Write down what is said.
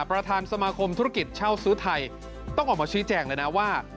ประธานสมาคมธุรกิจเช่าซื้อไทยต้องออกมาชี้แจงเลยนะว่า